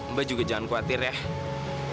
mbak juga jangan khawatir ya